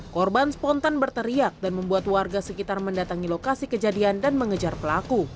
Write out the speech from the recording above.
korban spontan berteriak dan membuat warga sekitar mendatangi lokasi kejadian dan mengejar pelaku